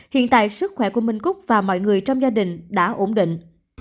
hiện tại sức khỏe của minh cúc và mọi người trong gia đình đã ổn định